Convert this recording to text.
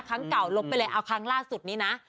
ครั้งเก่าลบไปเลยเอาครั้งล่าสุดนี้นะ